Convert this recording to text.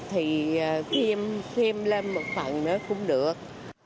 thì thêm lên một phần nữa cũng được